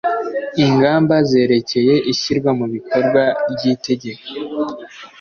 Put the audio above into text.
ingamba zerekeye ishyirwa mu bikorwa ry'itegeko